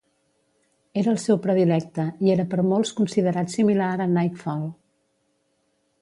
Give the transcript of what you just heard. Era els seu predilecte i era per molts considerat similar a "Nightfall".